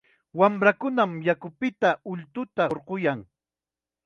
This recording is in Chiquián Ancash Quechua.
Wamrakunam yakupita ultuta hurquyan.